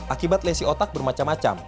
akibat lesi otak bermacam macam